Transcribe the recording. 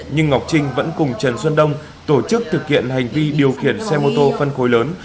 nhưng ngọc trinh vẫn cùng trần xuân đông tổ chức thực hiện hành vi điều khiển xe mô tô phân khối lớn